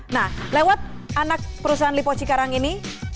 nah lewat anak perusahaan lipo cikarang ini